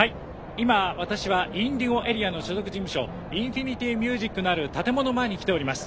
今私はＩｎｄｉｇｏＡＲＥＡの所属事務所インフィニティミュージックのある建物前に来ております。